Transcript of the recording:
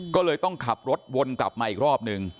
ก็เลยต้องขับรถวนกลับมาอีกรอบนึง